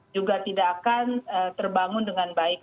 juga tidak akan terbangun dengan baik